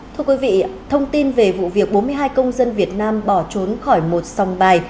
thưa quý vị thông tin về vụ việc bốn mươi hai công dân việt nam bỏ trốn khỏi một sòng bài